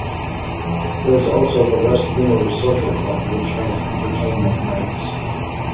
There is also the West Moors Social Club which has entertainment nights.